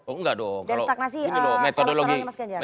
oh enggak dong metodologi